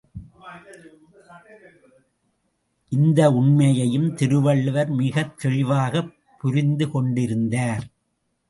இந்த உண்மையையும் திருவள்ளுவர் மிகத்தெளிவாகப் புரிந்து கொண்டிருந்தார்.